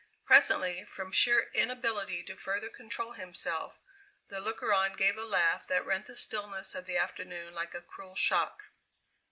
Presently, from sheer inability to further control himself, the looker on gave a laugh that rent the stillness of the afternoon like a cruel shock.